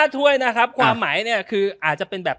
ถ้วยนะครับความหมายเนี่ยคืออาจจะเป็นแบบ